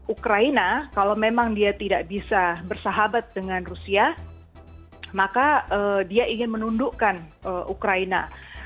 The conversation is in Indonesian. ukraina kalau memang dia tidak bisa bersahabat dengan rusia maka dia ingin menundukkan ukraina